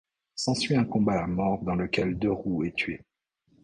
S'ensuit un combat à mort dans lequel Deroux est tué.